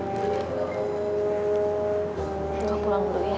gue pulang dulu ya